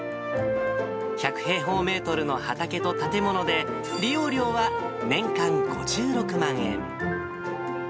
１００平方メートルの畑と建物で、利用料は年間５６万円。